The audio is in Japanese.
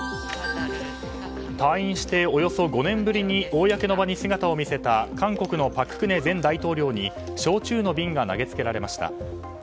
退院しておよそ５年ぶりに公の場に姿を見せた韓国の朴槿惠前大統領に焼酎の瓶が投げつけられました。